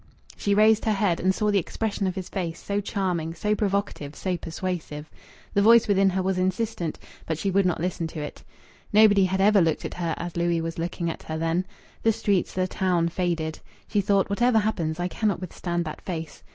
She raised her head and saw the expression of his face, so charming, so provocative, so persuasive. The voice within her was insistent, but she would not listen to it. Nobody had ever looked at her as Louis was looking at her then. The streets, the town faded. She thought: "Whatever happens, I cannot withstand that face."